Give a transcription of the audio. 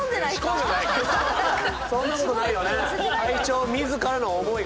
そんなことないよねえ？